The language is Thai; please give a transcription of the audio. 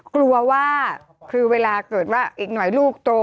กลัวว่าคือเวลาเกิดว่าอีกหน่อยลูกโต